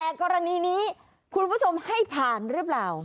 แต่กรณีนี้คุณผู้ชมให้ผ่านหรือเปล่า